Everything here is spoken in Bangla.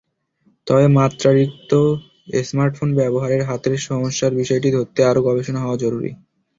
তবে মাত্রাতিরিক্ত স্মার্টফোন ব্যবহারের হাতের সমস্যার বিষয়টি ধরতে আরও গবেষণা হওয়া জরুরি।